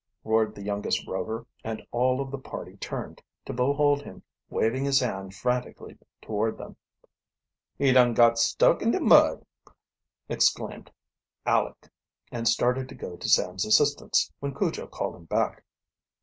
roared the youngest Rover, and all of the party turned, to behold him waving his hand frantically toward them. "He dun got stuck in de mud!" exclaimed Aleck, and started to go to Sam's assistance, when Cujo called him back.